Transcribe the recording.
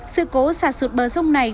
sự cố sạt sụt bờ sông này